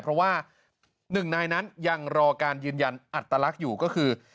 เพราะว่า๑นายนั้นยังรอการยืนยันอัตลักษณ์อยู่ก็คือ